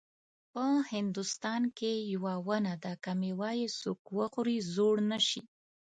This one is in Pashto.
په هندوستان کې یوه ونه ده که میوه یې څوک وخوري زوړ نه شي.